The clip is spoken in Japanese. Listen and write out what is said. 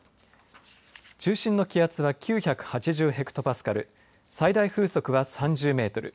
中心の気圧は９８０ヘクトパスカル最大風速は３０メートル。